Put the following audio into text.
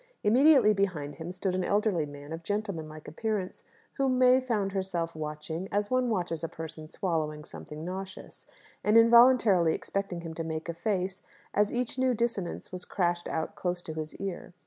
Immediately behind him stood an elderly man of gentleman like appearance, whom May found herself watching, as one watches a person swallowing something nauseous, and involuntarily expecting him to "make a face" as each new dissonance was crashed out close to his ear.